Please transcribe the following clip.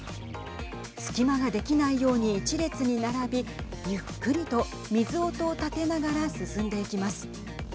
隙間ができないように１列に並びゆっくりと水音を立てながら進んでいきます。